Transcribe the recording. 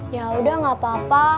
yaudah gak apa apa